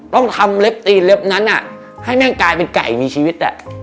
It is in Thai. ต้องทำเล็บตีนเล็บนั้นให้แม่งกลายเป็นไก่มีชีวิต